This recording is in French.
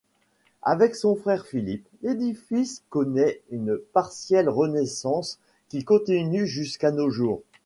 Avec son frère Philippe, l'édifice connaît une partielle renaissance qui continue jusqu'à nos jours.